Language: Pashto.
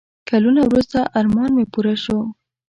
کلونه وروسته ارمان مې پوره شو.